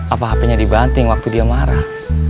apa hpnya dibanting waktu dia marah